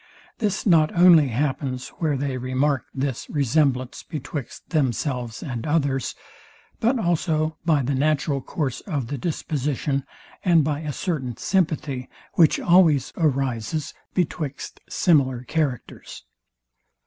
This not only happens, where they remark this resemblance betwixt themselves and others, but also by the natural course of the disposition, and by a certain sympathy, which always arises betwixt similar characters.